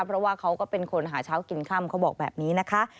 เพราะว่าเขาก็เป็นคนหาเช้ากินค่ำเขาบอกแบบนี้นะคะ